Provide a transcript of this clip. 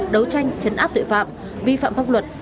đấu tranh chấn áp tội phạm vi phạm pháp luật